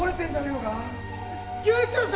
お救急車！